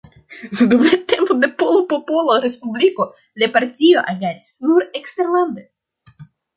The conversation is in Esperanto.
Dum la tempo de Pola Popola Respubliko la partio agadis nur eksterlande.